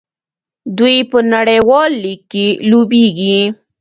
دوی په نړیوال لیګ کې لوبېږي.